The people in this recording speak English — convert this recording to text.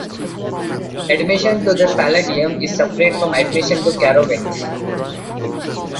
Admission to the Paladium is separate from admission to Carowinds.